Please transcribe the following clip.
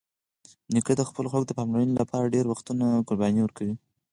نیکه د خپلو خلکو د پاملرنې لپاره ډېری وختونه قرباني ورکوي.